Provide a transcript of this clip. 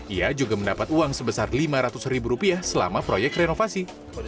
ia juga mendapat uang sebesar lima ratus ribu rupiah selama proyek renovasi